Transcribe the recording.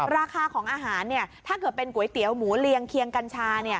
ราคาของอาหารถ้าเกิดเป็นก๋วยเตี๋ยวหมูเรียงเคียงกัญชา